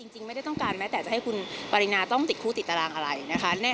จริงไม่ได้ต้องการแม้แต่จะให้คุณปรินาต้องติดคู่ติดตารางอะไรนะคะ